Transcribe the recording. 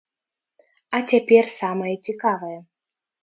А цяпер самае цікавае.